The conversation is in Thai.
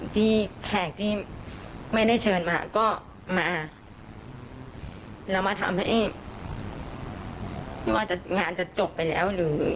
ที่แขกที่ไม่ได้เชิญมาก็มาแล้วมาทำให้ไม่ว่าจะงานจะจบไปแล้วหรือ